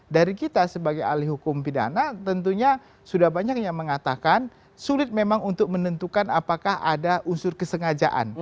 dari kita sebagai ahli hukum pidana tentunya sudah banyak yang mengatakan sulit memang untuk menentukan apakah ada unsur kesengajaan